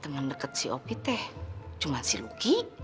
teman dekat si opie teh cuma si luki